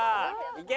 いけ！